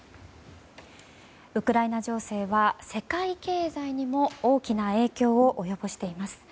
ウクライナ情勢は世界経済にも大きな影響を及ぼしています。